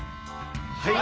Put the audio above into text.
はい。